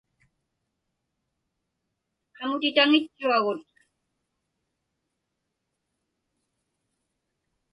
Qamutitaŋitchuagut.